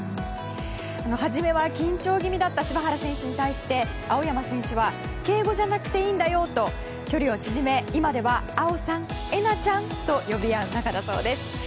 初めは緊張気味だった柴原選手に対して青山選手は敬語じゃなくていいんだよと距離を縮め今ではあおさん、えなちゃんと呼び合う仲だそうです。